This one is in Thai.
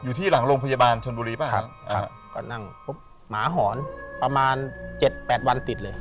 อยู่ที่หลังโรงพยาบาลชนบุรีป่ะครับก็นั่งพบหมาหอนประมาณ๗๘วันติดเลย